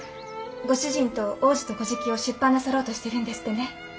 ご主人と「王子と乞食」を出版なさろうとしてるんですってね。